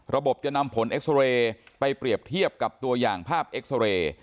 จะนำผลเอ็กซอเรย์ไปเปรียบเทียบกับตัวอย่างภาพเอ็กซอเรย์